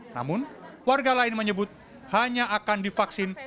namun warga lain menyebut hanya akan divaksin